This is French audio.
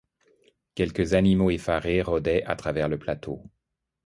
Quelques animaux effarés rôdaient à travers le plateau.